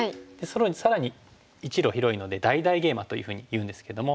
更に１路広いので大々ゲイマというふうにいうんですけども。